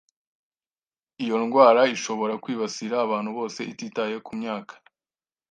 Iyo ndwara ishobora kwibasira abantu bose ititaye ku myaka